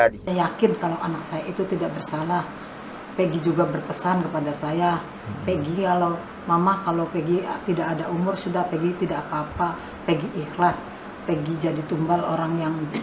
disini yakin kalau anak saya itu tidak bersalah peggy juga berpesan kepada saya peggy ya lho saya